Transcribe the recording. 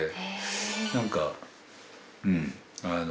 「何かうん」